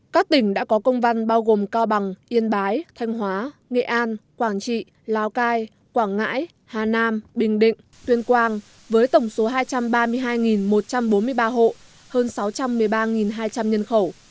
các tỉnh đã có công văn bao gồm cao bằng yên bái thanh hóa nghệ an quảng trị lào cai quảng ngãi hà nam bình định tuyên quang với tổng số hai trăm ba mươi hai một trăm bốn mươi ba hộ hơn sáu trăm một mươi ba hai trăm linh nhân khẩu